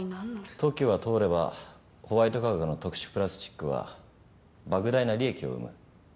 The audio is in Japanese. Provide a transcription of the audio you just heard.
特許が通ればホワイト化学の特殊プラスチックはばく大な利益を生む。